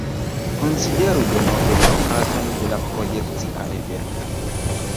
Konsideru denove la okazon de la projekcia ebeno.